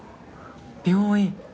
病院。